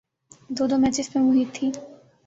دو دو میچز پہ محیط تھیں۔